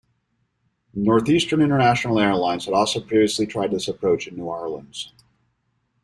Northeastern International Airlines had also previously tried this approach in New Orleans.